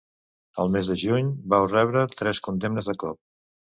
El mes de juny vau rebre tres condemnes de cop.